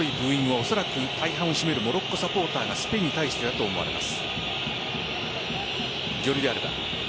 おそらく大半を占めるモロッコサポーターがスペインに対してだと思われます。